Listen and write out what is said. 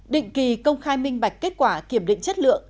định kỳ công khai minh bạch kết quả kiểm định chất lượng